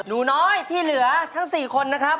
หนูน้อยที่เหลือทั้ง๔คนนะครับ